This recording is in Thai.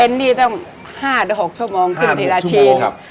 เอ็นนี่ต้อง๕๖ชั่วโมงครู่ทีละชีป